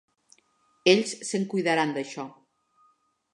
Ells se'n cuidaran d'això.